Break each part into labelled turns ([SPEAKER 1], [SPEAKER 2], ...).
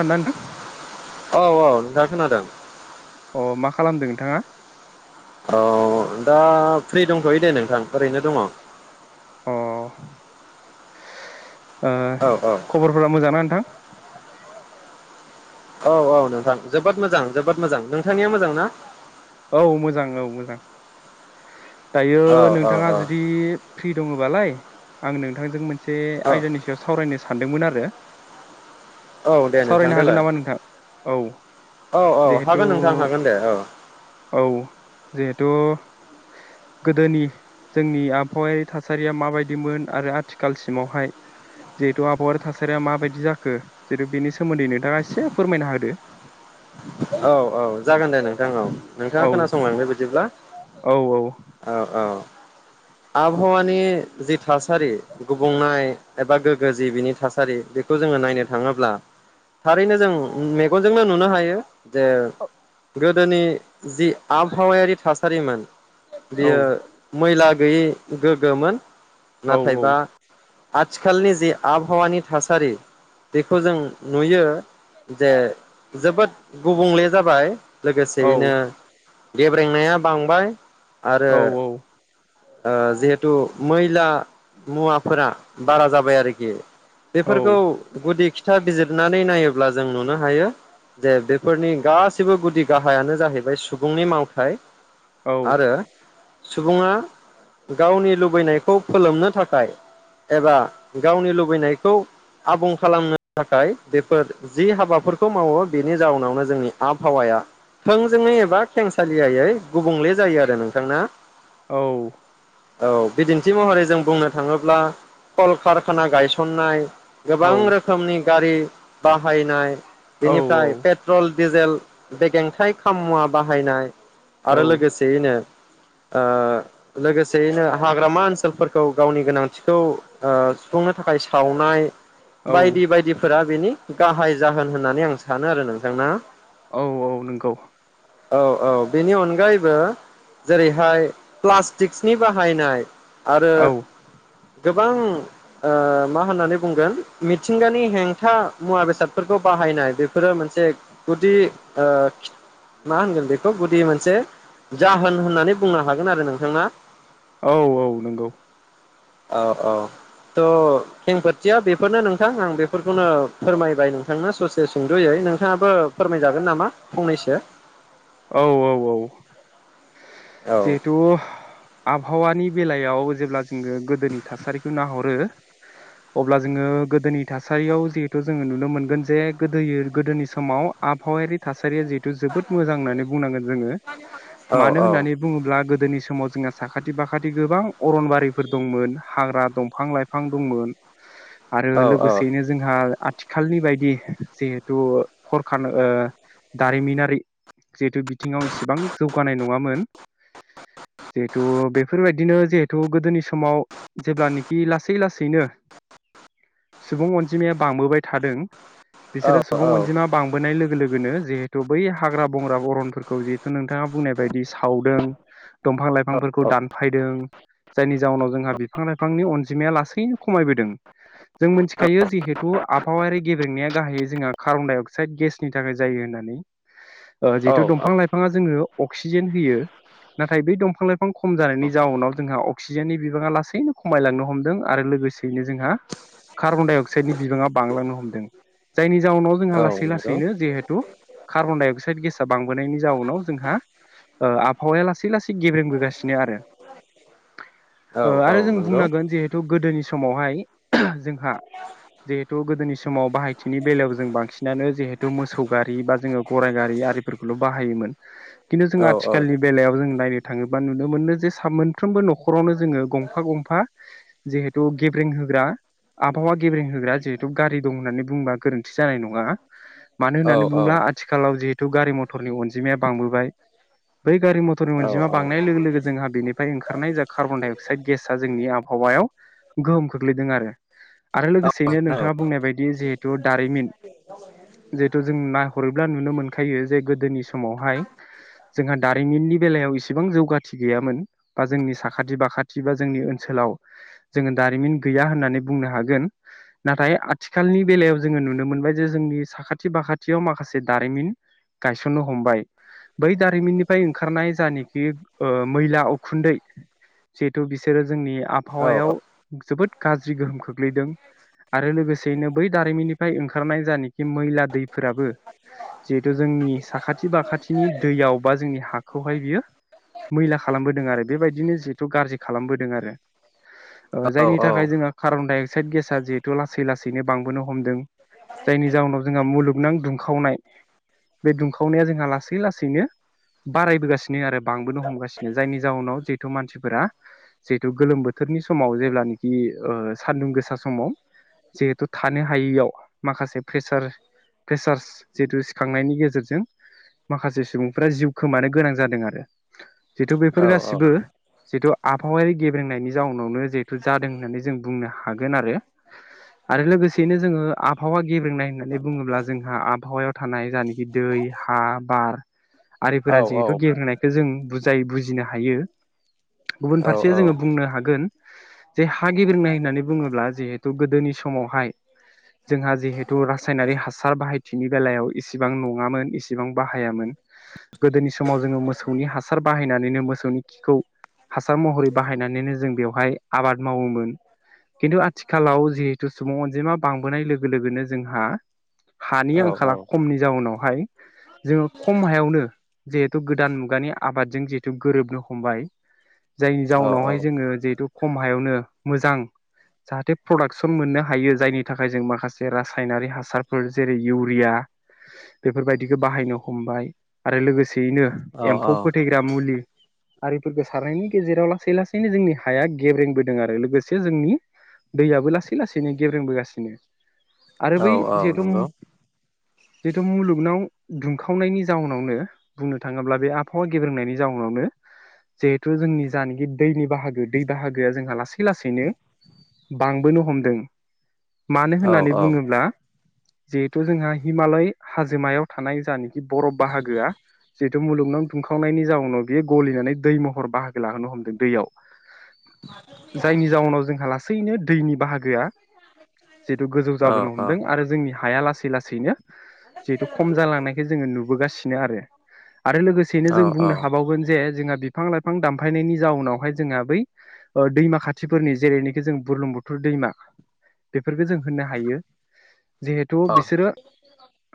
[SPEAKER 1] [unintelligible]
[SPEAKER 2] औ औ नोंथां खोनादों।
[SPEAKER 1] अ मा खालामदों नोंथाङा?
[SPEAKER 2] औ दा फ्रि दंथ'यो दे नोंथां ओरैनो दङ।
[SPEAKER 1] अ ओ
[SPEAKER 2] औ
[SPEAKER 1] खबरफोरा मोजांना नों थां
[SPEAKER 2] औ औ नोंथां जोबोद मोजां जोबोद मोजां नोंथांनिया मोजां ना?
[SPEAKER 1] औ मोजां औ मोजां। दायो
[SPEAKER 2] औ औ
[SPEAKER 1] नोंथाङा जुदि फ्रि दङबालाय आं नोंथांजों मोन से
[SPEAKER 2] औ
[SPEAKER 1] आयदानि सायाव सावरायनो सानदोंमोन आरो।
[SPEAKER 2] औ दे नोंथां
[SPEAKER 1] सावरायनो हागोन
[SPEAKER 2] देलाय
[SPEAKER 1] नामा नोंथां औ
[SPEAKER 2] औ औ
[SPEAKER 1] जिहेथु
[SPEAKER 2] हागोन नोंथां हागोन दे औ ।
[SPEAKER 1] औ जिहेथु गोदोनि जोंनि आबहावायारि थासारिया माबायदिमोन आरो आथिखालसिमावहाय जिहेथु आबहावायारि थासारिया माबायदि जाखो जिहेतु बेनि सोमोन्दै नोंथाङा एसे फोरमायना होदो ।
[SPEAKER 2] औ औ जागोन दे नों औ औ नोंथाङा
[SPEAKER 1] औ
[SPEAKER 2] खोनासंलांदो बिदिब्ला
[SPEAKER 1] औ औ
[SPEAKER 2] औ औ आबहावानि जि थासारि गुबुंनाय एबा गोग्गो जि बिनि थासारि बेखौ जोङो नायनो थाङोब्ला थारैनो जों मेगनजोंनो नुनो हायो। जे
[SPEAKER 1] औ
[SPEAKER 2] गोदोनि जि आबहावायारि थासारिमोन। बियो मैला गोैयि गोगोमोन। नाथायबा आथिखालनि जे आबहावानि थासारि बेखौ जों नुयो जे जोबोद गुबुंले जाबाय लोगोसेयैनो गेब्रेंनाया बांबाय आरो। जिहेथु मैला मुवाफोरा बारा जाबाय आरोखि बेफोरखौ गुदि खोथा बिजिरनानै नायोब्ला जों नुनो हायो जे बेफोरनि गाैबो गुदि गाहायानो जाहैबाय सुबुंनि मावथाय आरो। सुबुङा गावनि लुबैनायखौ फोलोमनो थाखाय एबा गावनि लुबैनायखौ आबुं खालामनो थाखाय बेफोर जि हाबाफोरखौ मावो बेनि जाउनावनो जोंनि आबहावाया थोंजोङै एबा खेंसालियायै गुबुंले जायो आरो नोंथां ना।
[SPEAKER 1] औ।
[SPEAKER 2] औ बिदिन्थि महरै जों बुंनो थाङोब्ला कल कारखाना गायसननाय गोबां रोखोमनि गारि बाहायनाय बेनिफ्राय पेट्रल दिजेल बेगेंथाइ खाममुवा बाहायनाय आरो लोगोसेयैनो ओ। लोगोसेयैनो हाग्रामा ओनसोलफोरखौ गावनि गोनांथिखौ सुफुंनो थाखाय सावनाय बायदि बायदिफोरा बेनि गाहाय जाहोन होननानै आं सानो आरो नोंथांना।
[SPEAKER 1] औ औ नंगौ।
[SPEAKER 2] औ औ बेनि अनगायैबो जेरैहाय प्लासटिकनि बाहायनाय आरो।
[SPEAKER 1] औ
[SPEAKER 2] गोबां मा होननानै बुंगोन मिथिंगानि हेंथा मुवा बेसादफोरखौ बाहायनाय बेफोरो मोनसे गुदि मा होनगोन बेखौ गुदि मोनसे जाहोन होननानै बुंनो हागोन आरो नोंथाङा
[SPEAKER 1] औ औ नंगौ।
[SPEAKER 2] औ औ थ' खेंफोरथिया बेफोरनो नोंथां आं बेफोरखौनो फोरमायबाय नोंथांनो ससे सुंद'यै नोंथाङाबो फोरमायजागोन नामा फंनैसो
[SPEAKER 1] औ औ औ।
[SPEAKER 2] औ
[SPEAKER 1] जिहेतु आबहावानि बेलायाव जेब्ला जोङो गोदोनि थासारिखौ नाहरो अब्ला जोङो गोदोनि थासारियाव जिहेथु जोङो नुनो मोनगोन जे गोदोनि समाव आबहावायारि थासारिया जोबोद मोजां। मोजां होननानै बुंनांगोन जोङो
[SPEAKER 2] औ
[SPEAKER 1] मानो
[SPEAKER 2] औ
[SPEAKER 1] होननानै बुङोब्ला गोदोनि समाव जों साखाथि फाखाथि गोबां अरनबारिफोर दंमोन हाग्रा दंफां लाइफां दंमोन आरो
[SPEAKER 2] औ
[SPEAKER 1] लोगोसेयैनो जोंहा आथिखालनि बायदि जिहेथु कलखारखाना दारिमिनारि जिहेथु बिथिङाव इसिबां जौगानाय नङामोन जिहेथु बेफोरबायदिनो जिहेथु गोदोनि समाव जेब्लानाखि लासै लासैनो सुबुं अनजिमाया बांबोबाय थादों बिसोरो
[SPEAKER 2] औ
[SPEAKER 1] सुबुं
[SPEAKER 2] औ
[SPEAKER 1] अनजिमा बांबोनाय लोगो लोगो [unintelligible] जिहेथु बै हा हाग्रा बंग्रा अरनफोरखौ जिहेथु नोंथाङा बुंनाय बायदि सावदों दंफां लाइफांफोरखौ
[SPEAKER 2] औ
[SPEAKER 1] दानफायदों जायनि जाउनाव जोंहा बिफां लाइफांनि अनजिमाया लासैनो खमायबोदों । जों मिथिखायो जिहेथु आबहावायारि गेब्रेंनाया गाहायै जोंहा कार्बन डाइ अक्साइड गेसनि थाखाय जायो होननानै । ओ जिहेतु
[SPEAKER 2] औ
[SPEAKER 1] दंफां लाइफाङा जोङो अक्सिजेन होयो नाथाय बे दंफां लाइफां खम जानायनि जाउनाव जोंहा अक्सिजेननि बिबाङा लासैनो खमायलांनो हमदों आरो लोगोसेयैनो जोंहा कार्बन डाइ अक्साइडनि बिबाङा बांलांनो हमदों । जायनि जाउनाव
[SPEAKER 2] औ
[SPEAKER 1] जोंहा लासै
[SPEAKER 2] नंगौ
[SPEAKER 1] लासैनो जिहेथु कार्बन दडाइ अक्साइद गेसा बांबोनायनि जाउनाव जोंहा ओ आबहावाया लासै लासै गेब्रेबोगासिनो आरो । ओ
[SPEAKER 2] औ
[SPEAKER 1] आरो
[SPEAKER 2] औ
[SPEAKER 1] जों
[SPEAKER 2] नंगौ
[SPEAKER 1] बुंनांगोन जिहेथु गोदोनि समावहाय जोंहा जिहेथु गोदोनि समाव बाहायथिनि बेलायाव जों बांसिनानो जिहेथु मोसौ गारि बा जोङो गराइ गारि आरिफोरखौल' बाहायोमोन खिन्थु जों
[SPEAKER 2] औ औ
[SPEAKER 1] आथिखालनि बेलायाव जों नायनो थाङोबा नुनो मोनो जे सा मोनफ्रोमबो न'खरावनो जोङो गंफा गंफा जिहेथु गेब्रें होग्रा आबहावा गेब्रें होग्रा जिहेथु गारि दं होननानै बुंबा गोरोन्थि जानाय नङा । मानो
[SPEAKER 2] औ
[SPEAKER 1] होननानै बुंब्ला आ खालाव जिहेतु गारि मथरनि अनजिमाया बांबोबाय बै गारि मथरनि
[SPEAKER 2] औ
[SPEAKER 1] अनजिमा बांनाय लोगो लोगो जोंहा बेनिफ्राय ओंखारनाय जा कार्बन डाइ अक्साइद गेस जोंनि आबहावायाव गोहोम खोख्लैदों आरो
[SPEAKER 2] औ
[SPEAKER 1] लोगोसेयैनो
[SPEAKER 2] औ
[SPEAKER 1] नोंथाङा बुंनाय बायदि जिहेथु दारिमिन जिहेथु जों ना हरोब्ला नुनो मोनखायो जे गोदोनि समावहाय जोंहा दारिमिननि बेलायाव इसेबां जौगाथि गैयामोन बा जोंनि साखाथि बाखाथि बा जोंनि ओनसोलाव जोङो दारिमिन गैया होननानै बुंनो हागोन । नाथाय आथिखालनि बेलायाव जोङो नुनो मोनबाय जे जोंनि साखाथि बाखाथियाव माखासे दारिमिन गायसननो हमबाय बै दारिमिननिफ्राय ओंखारनाय जानेखि ओ मैला उखुन्दै जिहेथु बिसोरो जोंनि आबहावायाव जोबोद गाज्रि गोहोम खोख्लैदों आरो लोगोसेयैनो बै दारिमिननिफ्राय ओंखारनाय जानाखि मैला दैफोराबो जिहेतु जोंनि साखाथि बाखाथिनि दैयाव बा जोंनि हाखौहाय बियो मैला खालामबोदों आरो बेबायदिनो जिहेथु गाज्रि खालामबोदों आरो
[SPEAKER 2] औ
[SPEAKER 1] जायनि
[SPEAKER 2] औ
[SPEAKER 1] थाखाय
[SPEAKER 2] नंगौ
[SPEAKER 1] जोंहा कार्बन डाइ अक्साइद गेसआ जिहेथु लासै लासैनो बांबोनो हमदों जायनि जाउनाव जोंहा मुलुगनां दुं खावनाय बे दुंखावनाया जोंहा लासै लासैनो बारायबोगासिनो आरो बांबोनो हमगासिनो जायनि जाहनाव जिहेथु मानसिफोरा जिहेथु गोलोम बोथोरनि समाव जेब्लानखि ओ सानदुं गोसा समाव जिहेथु थानो हायैयाव माखासे प्रेसार प्रेसारस जिहेतु सिखांनायनि गेजेरजों माखासे सुबुंफ्रा जिउ खोमानो गोनां जादों आरो । जिहेथु
[SPEAKER 2] औ
[SPEAKER 1] बेफोर
[SPEAKER 2] औ
[SPEAKER 1] गासिबो जिहेथु आबहावारि गेब्रेंनायनि जाउनावनो जिहेथु जादों होननानै जों बुंनो हागोन आरो । आरो लोगोसेयैनो जोङो आबहावा गेब्रेंनाय होननानै बुङोब्ला जोंहा आब हावायाव थानाय जायनाखि दै, हा, बार आरिफोरा जिहेतु गेब्रेंनाय खो जों बुजाय बुजिनो हायो । गुबुन फारसे जोङो बुंनो हागोन जे हा गिबेंनाय होननानै बुङोब्ला जिहेथु गोदोनि समावहाय जोंहा जिहेथु रासायनारि हासार बाहाय थिनि बेलायाव इसेबां नङामोन इसेबां बाहायामोन गोदोनि समाव जोङो मोसौनि हासार बाहायनानैनो मोसौनि खिखौ हासार महरै बाहायनानैनो जों बेवहाय आबाद मावोमोन । खिन्थु आथिखालाव जिहेथु सुबुं अनजिमा बांबोनाय लोगो लोगोनो जोंहा हानि आंखाला खमनि जाउनावहाय जोङो खम हायावनो जिहेथु गोदान मुगानि आबादजों जिहेथु गोरोबनो हमबाय जायनि
[SPEAKER 2] औ
[SPEAKER 1] जाउनावहाय जोङो जिहेथु खम हायावनो मोजां जाहाथे प्रडाक्सन मोननो हायो जायनि थाखाय जों माखासे रासायनारि हासारफोर जेरै इउरिया बेफोरबायदिखौ बाहायनो हमबाय आरो लोगोसे यैनो एम्फौ फोथै ग्रा मुलि आरिफोरखौ सारनायनि गेजेराव लासै लासैनो जोंनि हाया गेब्रेंबोदों आरो लोगोसे जोंनि दैयाबो लासै लासैनो गेब्रेंबोगासिनो आरो बै जिहेथु जिहेथु मुलुगनाव दुंखावनायनि जाउनावनो बुंनो थाङोब्ला बे आबहावा गेब्रेंनायनि जाउनावनो जिहेथु जोंनि जानखि दैनि बाहागो दै बाहागोआ जोंहा लासै लासैनो बांबोनो हमदों। मानो होननानै बुङोब्ला जिहेथु जोंहा हिमालय हाजोमायाव थानाय जानखि बरफ बाहागोआ जिहेथु मुलुगनाव दुंखांनायनि जाउनाव बेयो गलिनानै दै महर बाहागो लाहोनो हमदों दैयाव जायनि जाउनाव जोंहा लासैनो दैनि बाहागोआ जिहेतु गोजौ जाबोनो हमदों आरो जोंनि हाया लासै लासैनो जिहेतु खम जालांनायखो जोङो नुबोगासिनो आरो आरो लोगोसेैनो जों बुंनो हाबावगोन जे जोंहा बिफां लाइफां दामफायनायनि जाउनावहाय जोंहा बै दैमा खाथिफोरनि जेरैनोखि जों बुरलुंबुथुर दैमा बेफोरखौ जों होननो हायो । जिहेथु बिसोरो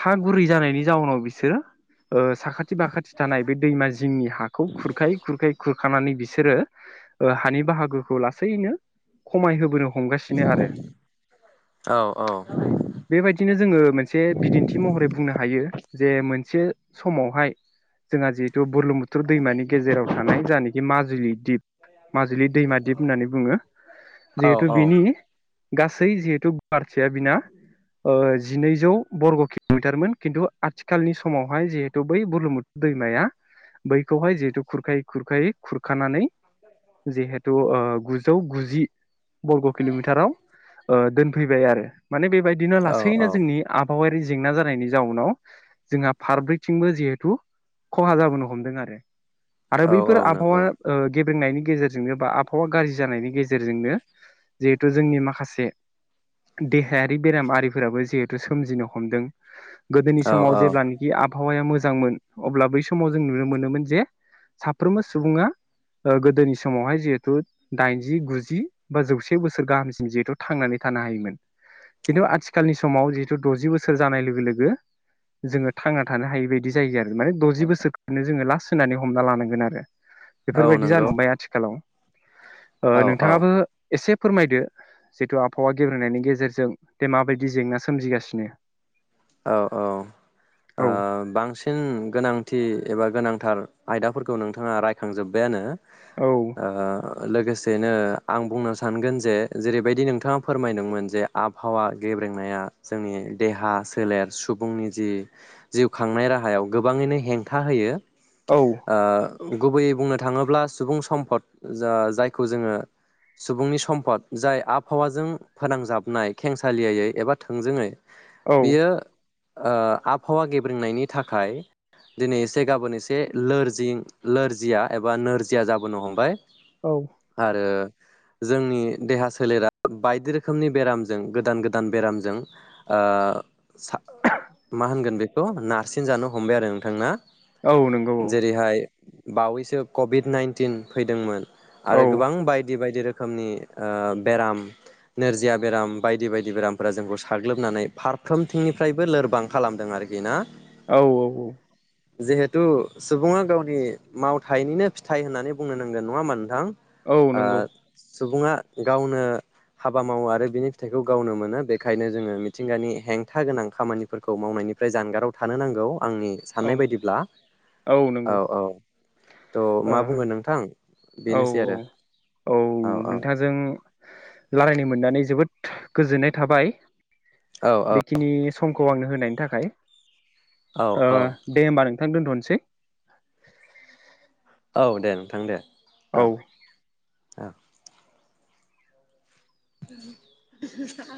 [SPEAKER 1] हा गुरै जानायनि जाउनाव बिसोरो साखाथि फाखाथि थानाय बे दैमा जिंनि हाखौ खुरखायै खुरखायै खुरखानानै बिसोरो हानि बाहागोखौ लासैनो खमाय होबोनो हमगासिनो आरो ।
[SPEAKER 2] औ औ ।
[SPEAKER 1] बेबायदिनो जोङो मोनसे बिदिन्थि महरै बुंनो हायो जे मोनसे समावहाय जोंहा जिहेथु बुरलबुथुर दैमानि गेजेराव थानाय जायानखि माजुलि दिप माजुलि दैमा दिप होननानै बुङो
[SPEAKER 2] औ
[SPEAKER 1] जिहेतु बिनि गासै जिहेथु गुवारथिया बिना ओ जिनैजौ बरग किलमिटारमोन खिन्थु आथिखालनि समावहाय जिहेथु बै बुरलुमुथु दैमाया बैखौहाय जिहेथु खुरखायै खुरखायै खुरखानानै जिहेतु ओ गु जौ गुजि बर्ग किलमिटाराव ओ दोनफैबाय आरो माने बेबाय बिदिनो
[SPEAKER 2] औ औ
[SPEAKER 1] लासैनो जोंनि आ बहावायारि जेंना जानायनि जाउनाव जोंहा फारब्रैथिंबो जिहेथु खहा जाबोनो हमदों आरो आरो
[SPEAKER 2] औ
[SPEAKER 1] बैफोर
[SPEAKER 2] औ नंगौ
[SPEAKER 1] आबहावा ओ गेबेंनायनि गेजेरजोंनो बा आबहावा गाज्रि जानायनि गेजेरजोंनो जिहेथु जोंनि माखासे देहायारि बेराम आरारिफोराबो जिहेथु सोमजिनो हमदों। गोदोनि
[SPEAKER 2] औ
[SPEAKER 1] समाव
[SPEAKER 2] औ
[SPEAKER 1] जेब्लानोखि आब हावाया मोजांमोन अब्ला बै समाव जों नुनो मोनोमोन जे साफ्रोमबो सुबुङा ओ गोदोनि समावहाय जिहेथु दाइनजि गुजि बा जौसे बोसोर गाहामसिन जिहेथु थांनानै थानो हायोमोन। खिन्थु आथिखालनि समाव जिहेतु दजि बोसोर जानाय लोगो लोगो जोङो थांना थानो हायि बायदि जायो आरो माने दजि बोसोरखौनो जोङो लास्ट होनानै हमना लानांगोन आरो।
[SPEAKER 2] औ
[SPEAKER 1] बेफोरबायदि
[SPEAKER 2] नंगौ
[SPEAKER 1] जानो हमबाय आथिखालाव ओ
[SPEAKER 2] औ औ
[SPEAKER 1] नोंथाङाबो एसे फोरमायदो जिथु आबहावा गेब्रेनायनि गेजेरजों दे माबायदि जेंना सोमजिगासिनो
[SPEAKER 2] औ औ ओ
[SPEAKER 1] औ
[SPEAKER 2] बांसिन गोनांथि एबा गोनांथार आयदाफोरखौ नोंथाङा रायखांजोब्बायानो
[SPEAKER 1] औ
[SPEAKER 2] ओ लोगोसेनो आं बुंनो सानगोन जे जेरैबायदि नोंथाङा फोरमायदोंमोन जे आबहावा गेब्रेंनाया जोंनि देहा सो लेर सुबुंनि जि जिउ खांनाय राहायाव गोबाङैनो हेंथा होयो।
[SPEAKER 1] औ
[SPEAKER 2] ओ गुबैयै बुंनो थाङोब्ला सुबुं सम्पद जा जायखौ जोङो सुबुंनि सम्पद जाय आबहावाजों फोनांजाबनाय खेंसालियायै एबा थोंजोङै। बेयो
[SPEAKER 1] औ
[SPEAKER 2] ओ आबहावा गेब्रेंनायनि थाखाय दिनै एसे गाबोन एसे लोरजिं लोरजिया एबा नोरजिया जाबोनो हमबाय।
[SPEAKER 1] औ
[SPEAKER 2] आरो जोंनि देहा सोलेरा बायदि रोखोमनि बेरामजों गोदान गोदान बेरामजों ओ सा मा होनगोन बे खौ नारसिन जानो हमबाय आरो नोंथां ना?
[SPEAKER 1] औ नंगौ औ
[SPEAKER 2] जेरैहाय बावैसो कभिड नाइतिन फैदोंमोन। आरो
[SPEAKER 1] औ
[SPEAKER 2] गोबां बायदि बायदि रो खोमनि ओ बेराम नोरजिया बेराम बायदि बायदि बेरामफोरा जोंखौ साग्लोबनानै फार फ्रोमथिंनिफ्रायबो लोरबां खालामदों आरोखि ना?
[SPEAKER 1] औ औ औ
[SPEAKER 2] जिहेथु सुबुङा गावनि मावथाइनिनो फिथाइ होननानै बुंनो नांगोन नङा होनबा नोंथां।
[SPEAKER 1] औ
[SPEAKER 2] ओ
[SPEAKER 1] नंगौ
[SPEAKER 2] सुबुङा गावनो हाबा मावो आरो बिनि फिथाइखौ गावनो मोनो बेखायनो जोङो मिथिंगानि हेंथा गोनां खामानिफोरखौ मावनायनिफ्राय जानगाराव थानो नांगौ आंनि
[SPEAKER 1] औ
[SPEAKER 2] साननाय बायदिब्ला औ औ ट
[SPEAKER 1] ओ
[SPEAKER 2] मा बुंगोन नोंथां
[SPEAKER 1] औ
[SPEAKER 2] बेनोसै
[SPEAKER 1] औ
[SPEAKER 2] आरो
[SPEAKER 1] औ नोंथांजों रायलायनो मोननानै जोबोद गोजोननाय थाबाय
[SPEAKER 2] औ
[SPEAKER 1] बेखिनि सम खौ आंनो होनायनि थाखाय
[SPEAKER 2] औ
[SPEAKER 1] ओ
[SPEAKER 2] औ
[SPEAKER 1] दे होमबा नोंथां दोनथनोसै [inaudible]
[SPEAKER 2] औ दे नोंथां दे
[SPEAKER 1] औ
[SPEAKER 2] ओ [unintelligible]